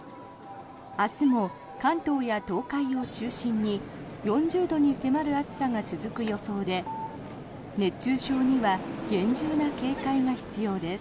明日も関東や東海を中心に４０度に迫る暑さが続く予想で熱中症には厳重な警戒が必要です。